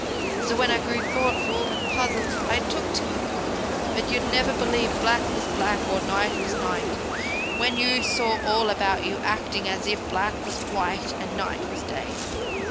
So when I grew thoughtful, and puzzled, I took to it. But you'd never believe black was black, or night was night, when you saw all about you acting as if black was white, and night was day.